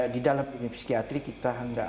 di dalam psikiatri kita